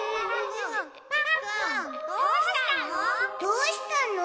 どうしたの？